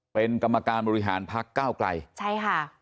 เป็นกรรมการบริหารพักเก้าไกลใช่ค่ะ